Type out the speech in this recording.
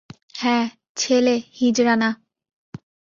হ্যাঁ, ছেলে, হিজড়া না।